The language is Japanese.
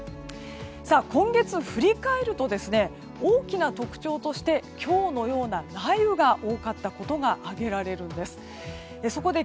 今月振り返ると大きな特徴として、今日のような雷雨が多かったことが挙げられるんです。